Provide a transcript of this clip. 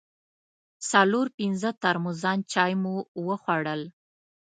څلور پنځه ترموزان چای مو وخوړل.